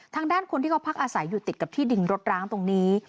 ทางด้านคนที่เขาพักอาศัยอยู่ติดกับที่ดินรถร้างตรงนี้